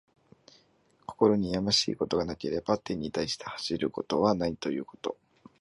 心にやましいことがなければ、天に対して恥じることはないということ。